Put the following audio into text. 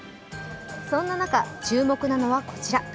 そんな中、注目なのはこちら。